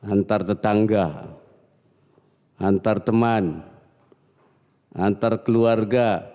antar tetangga antar teman antar keluarga